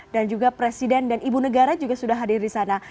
dan juga presiden dan ibu negara juga sudah hadir di sana